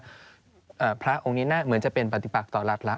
อาจจะเริ่มรู้สึกว่าพระองค์นี้น่าเหมือนจะเป็นปฏิปักตร์ต่อรัฐละ